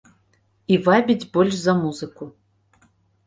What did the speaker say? І вабіць больш за музыку.